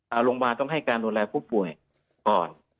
โรงพยาบาลต้องให้การดูแลผู้ป่วยก่อน